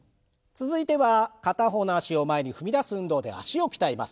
続いては片方の脚を前に踏み出す運動で脚を鍛えます。